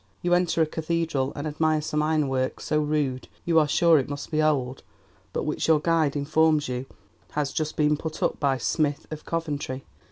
You enter a cathedral, and admire some iron work so rude you are sure it must be old, but which your guide informs you has just been put up by Smith of Coventry.